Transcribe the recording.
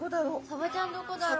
サバちゃんどこだろう？